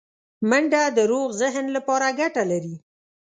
منډه د روغ ذهن لپاره ګټه لري